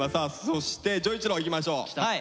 そして丈一郎いきましょう。